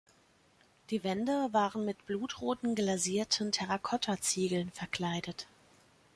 Die Wände waren mit blutroten glasierten Terrakotta-Ziegeln verkleidet.